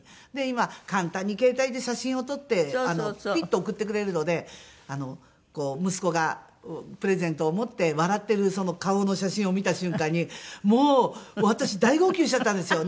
今簡単に携帯で写真を撮ってピッと送ってくれるので息子がプレゼントを持って笑ってる顔の写真を見た瞬間にもう私大号泣しちゃったんですよ。